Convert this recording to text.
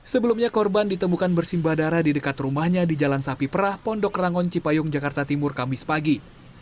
sebelumnya korban ditemukan bersimbah darah di dekat rumahnya di jalan sapi perah pondok rangon cipayung jakarta timur kamis pagi